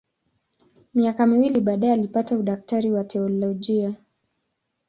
Miaka miwili baadaye alipata udaktari wa teolojia.